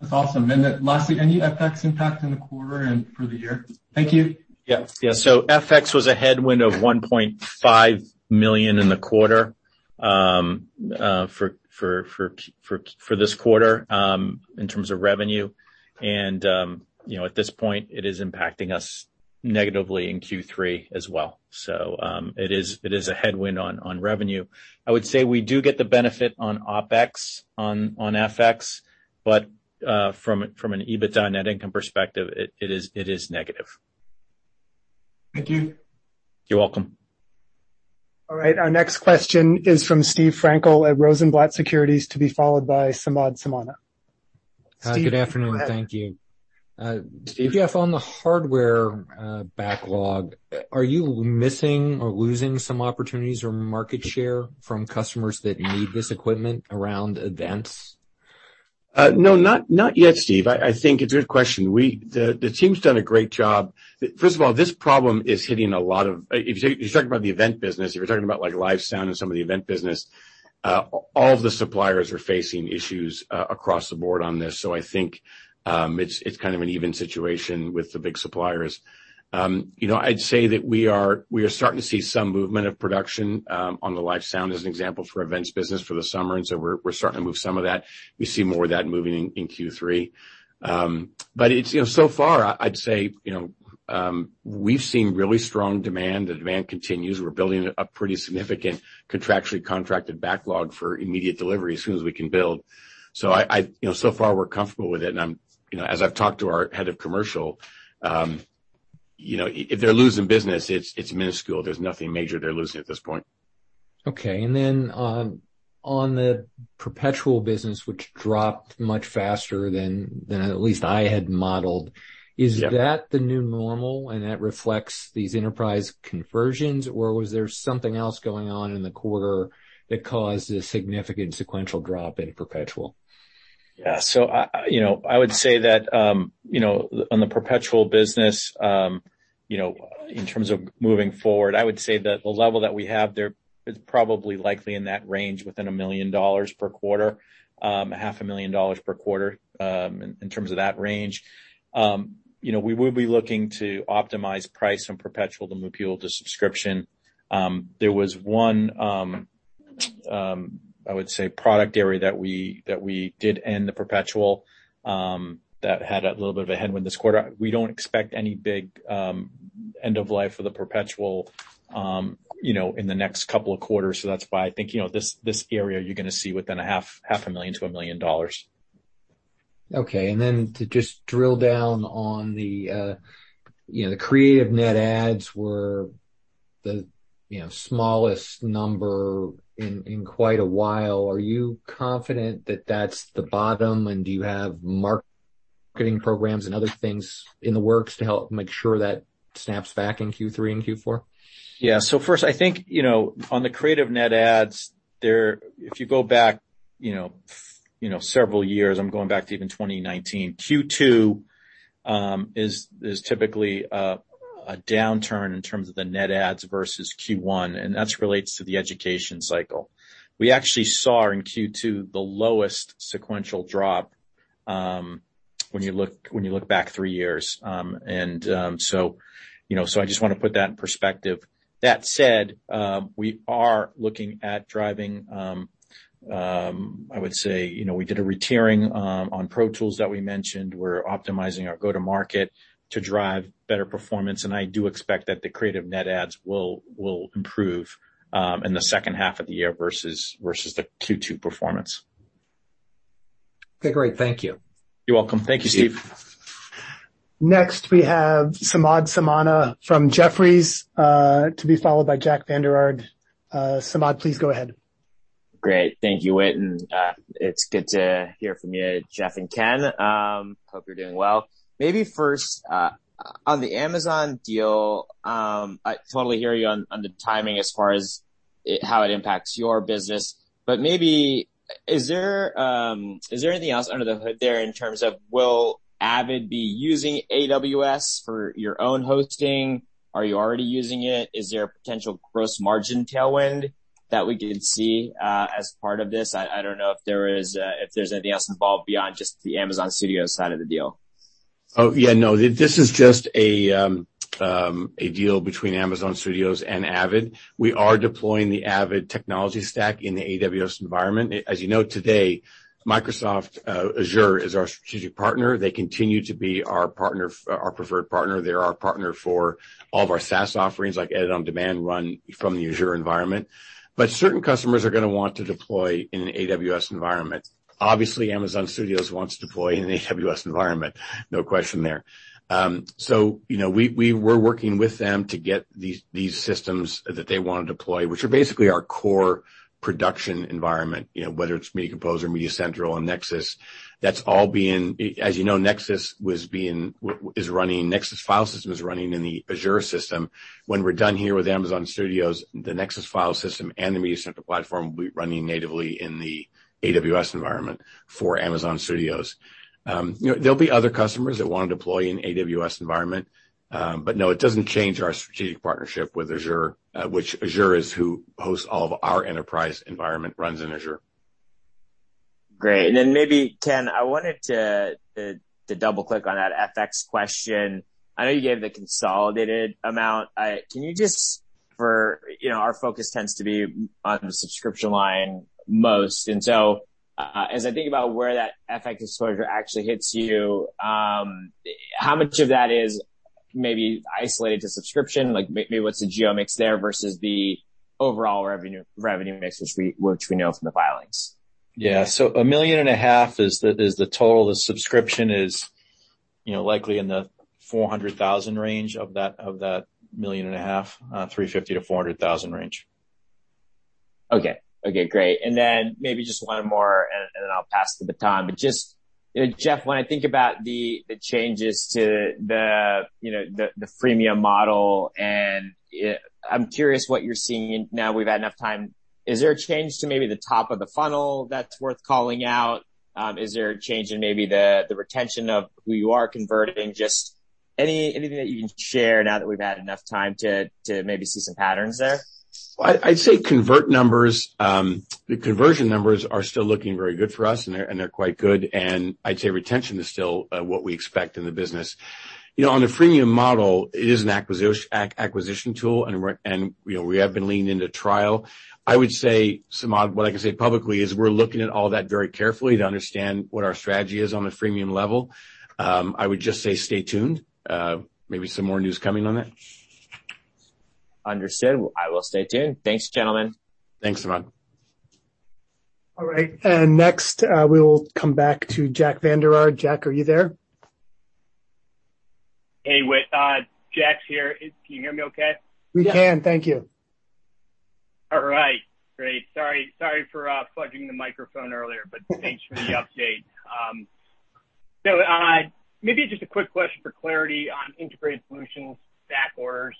That's awesome. Lastly, any FX impact in the quarter and for the year? Thank you. Yeah. FX was a headwind of $1.5 million in the quarter for this quarter in terms of revenue. You know, at this point it is impacting us negatively in Q3 as well. It is a headwind on revenue. I would say we do get the benefit on OpEx on FX, but from an EBITDA net income perspective, it is negative. Thank you. You're welcome. All right, our next question is from Steve Frankel at Rosenblatt Securities, to be followed by Samad Samana. Steve. Hi, good afternoon. Thank you. Steve. Jeff, on the hardware, backlog, are you missing or losing some opportunities or market share from customers that need this equipment around events? No, not yet, Steve. I think it's a good question. The team's done a great job. First of all, this problem is hitting a lot of. If you're talking about the event business, if you're talking about like live sound and some of the event business, all of the suppliers are facing issues across the board on this. I think it's kind of an even situation with the big suppliers. You know, I'd say that we are starting to see some movement of production on the live sound as an example for events business for the summer. We're starting to move some of that. We see more of that moving in Q3. You know, so far I'd say we've seen really strong demand. The demand continues. We're building a pretty significant contractually contracted backlog for immediate delivery as soon as we can build. I, you know, so far we're comfortable with it and I'm, you know, as I've talked to our head of commercial, you know, if they're losing business, it's minuscule. There's nothing major they're losing at this point. Okay. On the perpetual business, which dropped much faster than at least I had modeled. Yeah. Is that the new normal and that reflects these Enterprise conversions or was there something else going on in the quarter that caused a significant sequential drop in perpetual? Yeah. I would say that, you know, on the perpetual business, you know, in terms of moving forward, I would say that the level that we have there is probably likely in that range within $1 million per quarter, $0.5 million per quarter, in terms of that range. You know, we will be looking to optimize price and perpetual to move people to subscription. There was one product area that we did end the perpetual that had a little bit of a headwind this quarter. We don't expect any big end of life for the perpetual, you know, in the next couple of quarters. That's why I think, you know, this area you're gonna see within $500,000-$1 million. Okay. To just drill down on the Creative net adds were the smallest number in quite a while. Are you confident that that's the bottom and do you have marketing programs and other things in the works to help make sure that snaps back in Q3 and Q4? Yeah. First, I think, you know, on the Creative net adds there, if you go back, you know, several years, I'm going back to even 2019 Q2, is typically a downturn in terms of the net adds versus Q1, and that relates to the education cycle. We actually saw in Q2 the lowest sequential drop, when you look back three years. You know, I just wanna put that in perspective. That said, we are looking at driving. I would say, you know, we did a retiering on Pro Tools that we mentioned. We're optimizing our go-to-market to drive better performance, and I do expect that the Creative net adds will improve in the second half of the year versus the Q2 performance. Okay, great. Thank you. You're welcome. Thank you, Steve. Next we have Samad Samana from Jefferies, to be followed by Jack Vander Aarde. Samad, please go ahead. Great. Thank you, Whit. It's good to hear from you, Jeff and Ken. Hope you're doing well. Maybe first, on the Amazon deal, I totally hear you on the timing as far as how it impacts your business. Maybe is there anything else under the hood there in terms of will Avid be using AWS for your own hosting? Are you already using it? Is there a potential gross margin tailwind that we could see as part of this? I don't know if there's anything else involved beyond just the Amazon Studios side of the deal. Oh, yeah, no, this is just a deal between Amazon Studios and Avid. We are deploying the Avid technology stack in the AWS environment. As you know, today, Microsoft Azure is our strategic partner. They continue to be our partner, our preferred partner. They're our partner for all of our SaaS offerings, like Edit On Demand run from the Azure environment. Certain customers are gonna want to deploy in an AWS environment. Obviously, Amazon Studios wants to deploy in an AWS environment, no question there. You know, we were working with them to get these systems that they wanna deploy, which are basically our core production environment. You know, whether it's Media Composer, MediaCentral, and NEXIS, that's all being. As you know, NEXIS file system is running in the Azure system. When we're done here with Amazon Studios, the NEXIS file system and the MediaCentral platform will be running natively in the AWS environment for Amazon Studios. You know, there'll be other customers that wanna deploy in AWS environment. No, it doesn't change our strategic partnership with Azure, which Azure is who hosts all of our Enterprise environment, runs in Azure. Great. Then maybe, Ken, I wanted to double-click on that FX question. I know you gave the consolidated amount. Can you just for, you know, our focus tends to be on the subscription line most. As I think about where that FX exposure actually hits you, how much of that is maybe isolated to subscription? Like, maybe what's the geo mix there versus the overall revenue mix which we know from the filings? Yeah. $1.5 million is the total. The subscription is, you know, likely in the $400,000 range of that $1.5 million, $350,000-$400,000 range. Okay. Okay, great. Maybe just one more, then I'll pass the baton. Just, you know, Jeff, when I think about the changes to the, you know, the freemium model, and I'm curious what you're seeing now that we've had enough time. Is there a change to maybe the top of the funnel that's worth calling out? Is there a change in maybe the retention of who you are converting? Just anything that you can share now that we've had enough time to maybe see some patterns there? Well, I'd say the conversion numbers are still looking very good for us, and they're quite good. I'd say retention is still what we expect in the business. You know, on the freemium model, it is an acquisition tool, and, you know, we have been leaning into trial. I would say, Samad, what I can say publicly is we're looking at all that very carefully to understand what our strategy is on the freemium level. I would just say stay tuned. Maybe some more news coming on that. Understood. I will stay tuned. Thanks, gentlemen. Thanks, Samad. All right. Next, we will come back to Jack Vander Aarde. Jack, are you there? Hey, Whit. Jack's here. Can you hear me okay? We can. Thank you. All right. Great. Sorry for fudging the microphone earlier, but thanks for the update. Maybe just a quick question for clarity on Integrated Solutions back orders.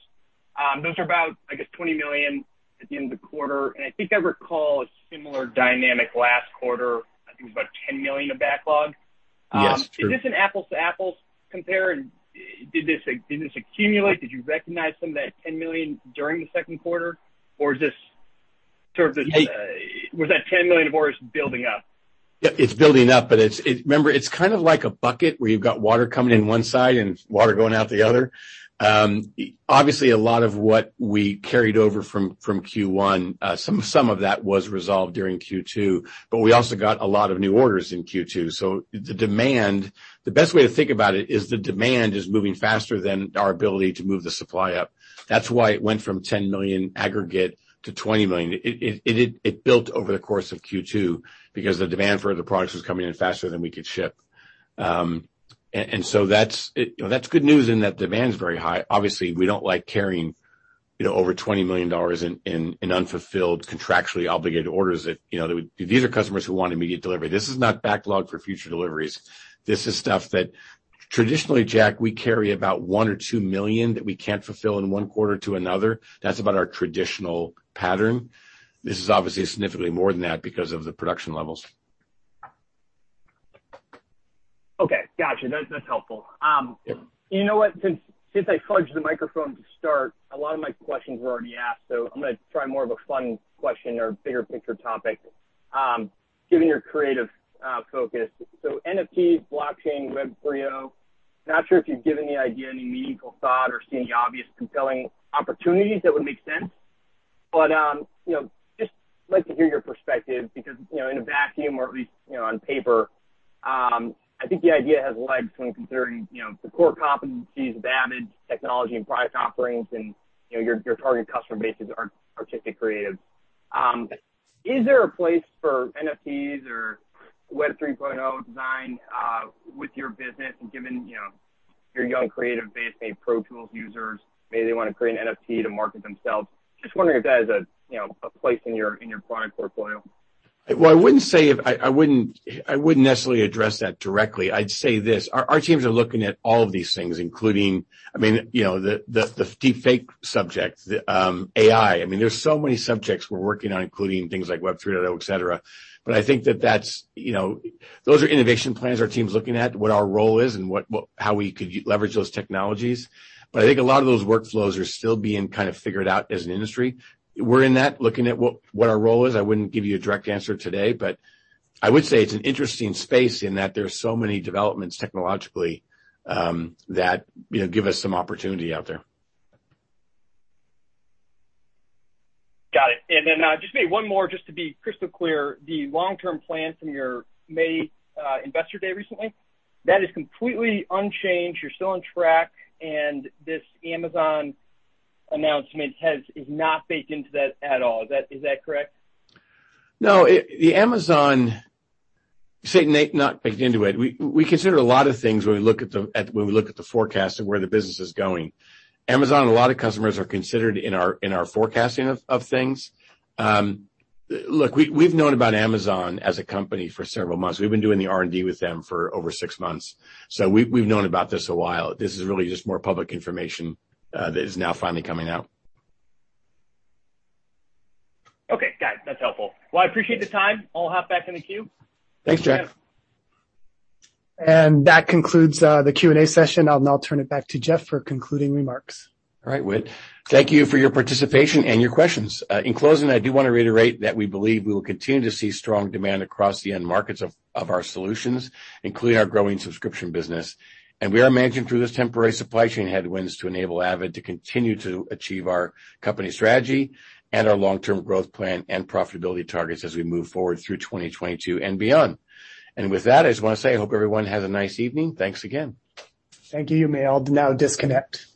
Those are about, I guess, $20 million at the end of the quarter. I think I recall a similar dynamic last quarter, I think it was about $10 million of backlog. Yes, true. Is this an apples-to-apples compare? Did this accumulate? Did you recognize some of that $10 million during the second quarter? Or is this sort of this. Hey. Was that 10 million orders building up? Yeah, it's building up, but it's. Remember, it's kind of like a bucket where you've got water coming in one side and water going out the other. Obviously, a lot of what we carried over from Q1, some of that was resolved during Q2, but we also got a lot of new orders in Q2. The demand. The best way to think about it is the demand is moving faster than our ability to move the supply up. That's why it went from $10 million aggregate to $20 million. It built over the course of Q2 because the demand for the products was coming in faster than we could ship. That's, you know, good news in that demand's very high. Obviously, we don't like carrying, you know, over $20 million in unfulfilled, contractually obligated orders. You know, these are customers who want immediate delivery. This is not backlog for future deliveries. This is stuff that traditionally, Jack, we carry about $1 million-$2 million that we can't fulfill in one quarter to another. That's about our traditional pattern. This is obviously significantly more than that because of the production levels. Okay. Gotcha. That's helpful. Yeah. You know what? Since I fudged the microphone to start, a lot of my questions were already asked, so I'm gonna try more of a fun question or bigger picture topic. Given your creative focus, NFTs, blockchain, Web 3.0, not sure if you've given the idea any meaningful thought or seen any obvious compelling opportunities that would make sense. You know, just like to hear your perspective because you know, in a vacuum or at least you know, on paper, I think the idea has legs when considering the core competencies of Avid Technology and product offerings and you know, your target customer base is artistically creative. Is there a place for NFTs or Web 3.0 design with your business and given, you know, your young creative base, maybe Pro Tools users, maybe they wanna create an NFT to market themselves. Just wondering if that has a, you know, a place in your product portfolio. Well, I wouldn't necessarily address that directly. I'd say this, our teams are looking at all of these things, including, I mean, you know, the deepfake subject, the AI. I mean, there's so many subjects we're working on, including things like Web 3.0, etc. I think that's, you know, those are innovation plans our team's looking at, what our role is and how we could leverage those technologies. I think a lot of those workflows are still being kind of figured out as an industry. We're in that, looking at what our role is. I wouldn't give you a direct answer today, but I would say it's an interesting space in that there's so many developments technologically that, you know, give us some opportunity out there. Got it. Then, just maybe one more just to be crystal clear. The long-term plan from your May Investor Day recently, that is completely unchanged. You're still on track, and this Amazon announcement is not baked into that at all. Is that correct? No. The Amazon, I say, Nate, not baked into it. We consider a lot of things when we look at the forecast of where the business is going. Amazon and a lot of customers are considered in our forecasting of things. We've known about Amazon as a company for several months. We've been doing the R&D with them for over six months. We've known about this a while. This is really just more public information that is now finally coming out. Okay. Got it. That's helpful. Well, I appreciate the time. I'll hop back in the queue. Thanks, Jack. Thanks. That concludes the Q&A session. I'll now turn it back to Jeff for concluding remarks. All right, Whit. Thank you for your participation and your questions. In closing, I do wanna reiterate that we believe we will continue to see strong demand across the end markets of our solutions, including our growing subscription business. We are managing through those temporary supply chain headwinds to enable Avid to continue to achieve our company strategy and our long-term growth plan and profitability targets as we move forward through 2022 and beyond. With that, I just wanna say I hope everyone has a nice evening. Thanks again. Thank you. You may all now disconnect.